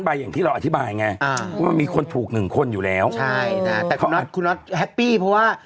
ใช่นะครับแต่คุณนกคุณนกแฮปปี้เพราะว่า